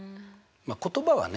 言葉はね